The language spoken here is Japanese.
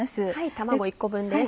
卵１個分です。